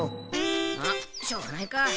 まあしょうがないか。